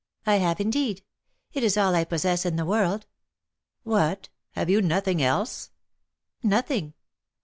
"I have, indeed; it is all I possess in the world." "What, have you nothing else?" "Nothing."